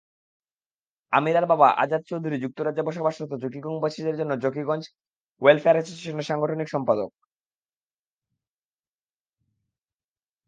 আমিরার বাবা আজাদ চৌধুরী যুক্তরাজ্যে বসবাসরত জকিগঞ্জবাসীদের সংগঠন জকিগঞ্জ ওয়েলফেয়ার অ্যাসোসিয়েশনের সাংগঠনিক সম্পাদক।